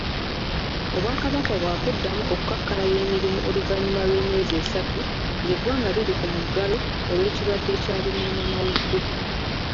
Obwakabaka bwakuddamu okukakkalabya emirimu oluvanyuma lw'emyezi esatu ng'eggwanga liri ku muggalo olw'ekirwadde kya Lumiimamawuggwe.